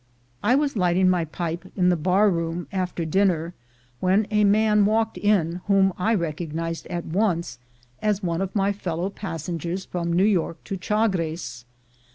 I was lighting my pipe in the bar room after dinner, when a man walked in whom I recognized at once as one of my fellow passengers from New York to Chagres.